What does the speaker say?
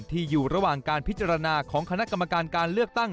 อยู่ระหว่างการพิจารณาของคณะกรรมการการเลือกตั้ง